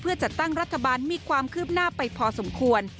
จัดตั้งรัฐบาลมีความคืบหน้าไปพอสมควร